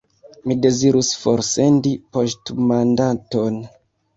Mi dezirus forsendi poŝtmandaton.